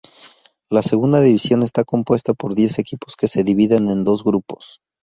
La segunda división está compuesta por diez equipos que se dividen en dos grupos.